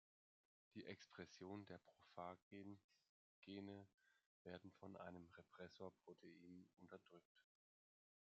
Die Expression der Prophagen-Gene werden von einem Repressor-Protein unterdrückt.